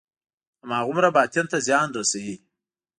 هماغومره باطن ته زیان رسوي.